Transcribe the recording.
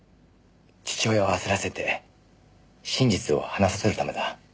父親を焦らせて真実を話させるためだ。